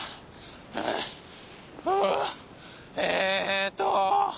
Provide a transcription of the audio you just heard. えっと